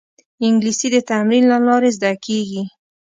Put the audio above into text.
انګلیسي د تمرین له لارې زده کېږي